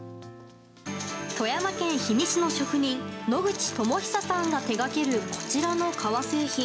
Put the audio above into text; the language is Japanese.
富山県氷見市の職人、野口朋寿さんが手がけるこちらの革製品。